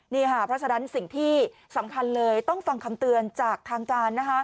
นี่ค่ะเพราะฉะนั้นสิ่งที่สำคัญเลยต้องฟังคำเตือนจากทางการ